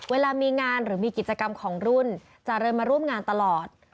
เวลามีงานหรือมีกิจกรรมของรุ่นจะเดินมาร่วมงานตลอด